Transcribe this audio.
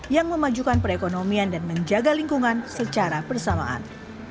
yang memajukan perekonomian dan menjaga lingkungan secara bersamaan